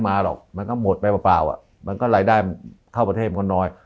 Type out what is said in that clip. มันก็หมดไปเปล่ามันก็รายได้เข้าประเทศมันก็น้อย